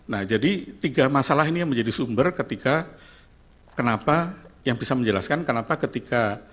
nah jadi tiga masalah ini yang menjadi sumber ketika kenapa yang bisa menjelaskan kenapa ketika